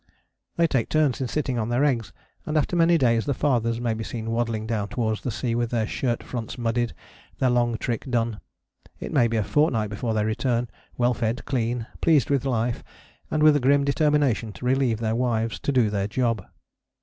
They take turns in sitting on their eggs, and after many days the fathers may be seen waddling down towards the sea with their shirt fronts muddied, their long trick done. It may be a fortnight before they return, well fed, clean, pleased with life, and with a grim determination to relieve their wives, to do their job.